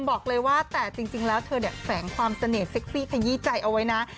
บอกเลยว่าแต่จริงแล้วเธอเนี่ยแฝงความเสน่หกซี่ขยี้ใจเอาไว้นะ